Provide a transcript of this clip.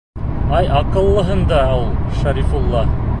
Ай, аҡыллыһың да ул, Шәрифулла!